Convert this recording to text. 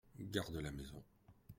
Garde la maison.